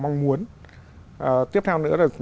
mong muốn tiếp theo nữa